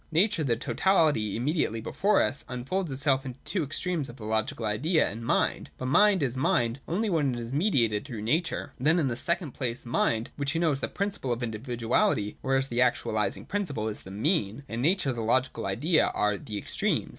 Nature, the totality im mediately before us, unfolds itself into the two extremes of the Logical Idea and Mind. But Mind is Mind only when it is mediated through nature. Then, in the second place. Mind, which we know as the principle of individuality, or as the actualising principle, is the mean ; and Nature and the Logical Idea are the extremes.